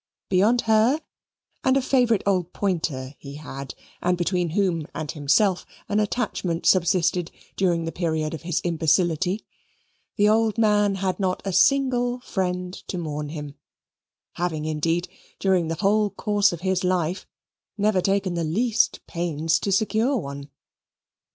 Beyond her and a favourite old pointer he had, and between whom and himself an attachment subsisted during the period of his imbecility, the old man had not a single friend to mourn him, having indeed, during the whole course of his life, never taken the least pains to secure one.